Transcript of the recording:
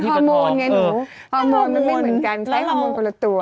ฮอร์โมนไงหนูฮอร์โมนมันไม่เหมือนกันใช้ฮอร์โมนคนละตัว